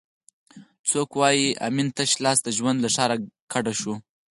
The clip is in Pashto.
څوک وایي امین تش لاس د ژوند له ښاره کډه شو؟